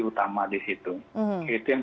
utama di situ itu yang